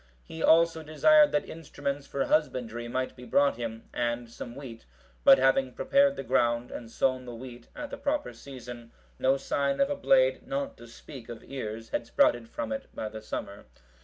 He also desired that instruments for husbandry might be brought him, and some wheat; but having prepared the ground and sown the wheat at the proper season, no sign of a blade, not to speak of ears, had sprouted from it by the summer.